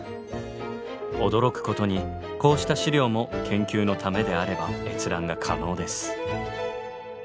驚くことにこうした資料も研究のためであれば閲覧が可能です。